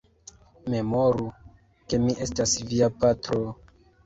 Memoru, ke mi estas via patro!